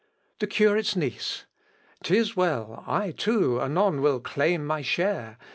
THE CURATE'S NIECE. Tis well: I, too, anon will claim my share.